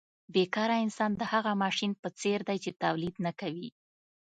بې کاره انسان د هغه ماشین په څېر دی چې تولید نه کوي